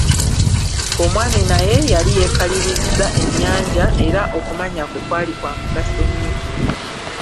Omwami naye yali yeekalirizza ennyanja, era okumanya kwe kwali kwa mugaso nnyo.